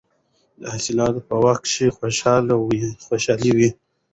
د حاصلاتو په وخت کې خوشحالي وي.